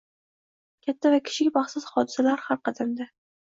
Katta va kichik baxtsiz hodisalar har qadamda